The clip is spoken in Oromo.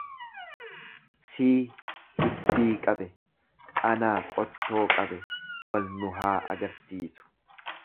"""Sii iddii qabe, anaa qottoo qabe, wal nu haa agarsiisu."""